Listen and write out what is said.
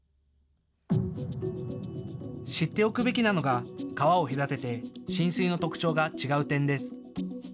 知っておくべきなのが川を隔てて浸水の特徴が違う点です。